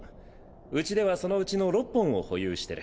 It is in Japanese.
うちではそのうちの６本を保有してる。